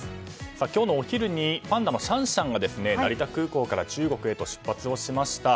今日のお昼にパンダのシャンシャンが成田空港から中国へと出発しました。